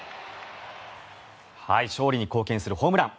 勝利に貢献するホームラン。